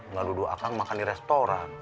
nggak nuduh akang makan di restoran